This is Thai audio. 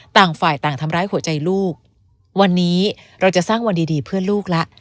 ต่างฝ่ายต่างทำร้ายหัวใจลูกวันนี้เราจะสร้างวันดีดีเพื่อลูกละ